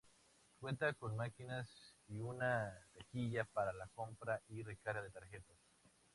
Cuenta con máquinas y una taquilla para la compra y recarga de tarjetas.